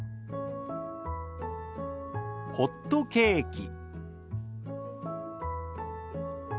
「ホットケーキ」。